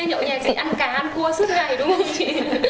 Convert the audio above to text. nhậu nhà chị ăn cá ăn cua suốt ngày đúng không chị